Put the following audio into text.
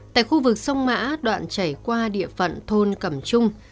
tại khu vực sông mã đoạn chảy qua địa phận thôn cẩm trung